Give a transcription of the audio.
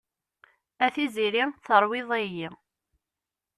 A tiziri terwid-iyi.